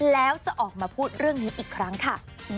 แล้วจะออกมาพูดเรื่องนี้อีกครั้งค่ะ